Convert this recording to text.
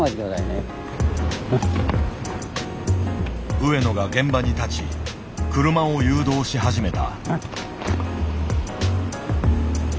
上野が現場に立ち車を誘導し始めた。